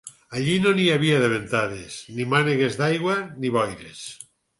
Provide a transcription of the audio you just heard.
Allí no n'hi havia de ventades, ni mànegues d'aigua, ni boires